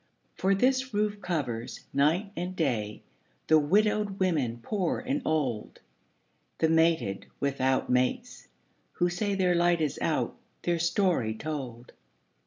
For this roof covers, night and day, The widowed women poor and old, The mated without mates, who say Their light is out, their story told.